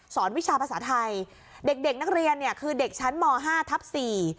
วิชาภาษาไทยเด็กเด็กนักเรียนเนี่ยคือเด็กชั้นมห้าทับสี่